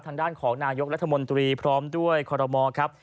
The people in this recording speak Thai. ทางด้านของนายกรัฐมนตรีพร้อมด้วยคอรมอครับ